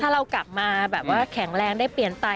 ถ้าเรากลับมาแบบว่าแข็งแรงได้เปลี่ยนไต